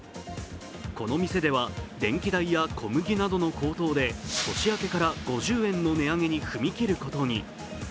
この店では電気代や小麦などの高騰で年明けから５０円の値上げに踏み切ることに。